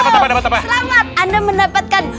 selamat anda mendapatkan